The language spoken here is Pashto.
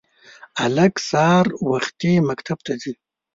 هلک سهار وختي مکتب ته ځي